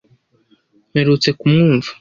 Mperutse kumwumva.